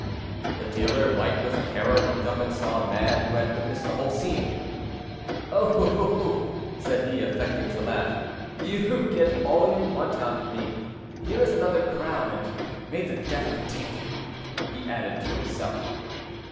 The dealer, white with terror, looked up, and saw a man who had witnessed the whole scene. "Oh!" said he, affecting to laugh; "you get all you want out of me: here is another crown. And may the devil take you," he added to himself.